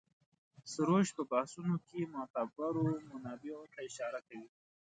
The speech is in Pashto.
سروش په بحثونو کې معتبرو منابعو ته اشاره کوي.